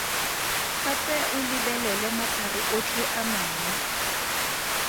Gape o lebelele matlhare otlhe a mangwe.